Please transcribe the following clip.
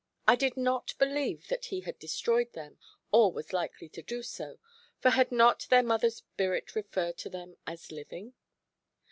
I did not believe that he had destroyed them, or was likely to do so; for had not their mother's spirit referred to them as living?